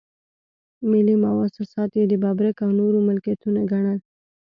ملي مواسسات یې د ببرک او نورو ملکيتونه ګڼل.